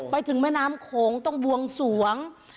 ไปถึงแม่น้ำโขงต้องบวงสวง